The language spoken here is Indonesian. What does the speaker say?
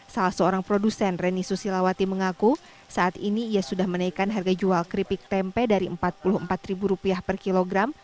salah seorang produsen reni susilawati mengaku saat ini ia sudah menaikkan harga jual keripik tempe dari rp empat puluh empat per kilogram